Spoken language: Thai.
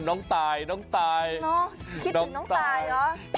โอ้ยน้องตายคิดถึงน้องตายหรอ